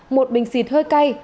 một bình xịt hơi cay